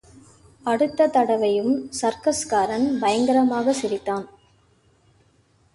அடுத்த தடவையும் சர்க்கஸ்காரன் பயங்கரமாகச் சிரித்தான்.